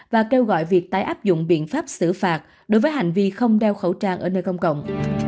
và kêu gọi việc tái áp dụng biện pháp xử phạt đối với hành vi không đeo khẩu trang ở nơi công cộng